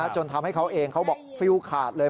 จนทำให้เขาเองเขาบอกฟิลขาดเลย